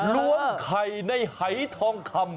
ล้วงไข่ในหายทองคำ